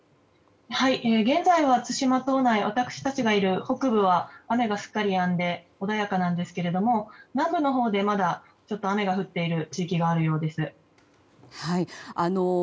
現在は対馬島内私たちがいる北部は雨がすっかりやんで穏やかなんですが南部のほうでまだちょっと雨が降っている地域があるようです。